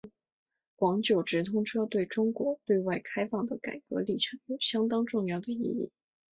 广九直通车对中国对外开放的改革历程有相当重要的意义。